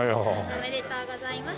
おめでとうございます。